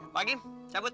pak kim cabut